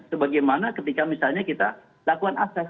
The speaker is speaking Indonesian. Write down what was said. sebagaimana ketika misalnya kita lakukan akses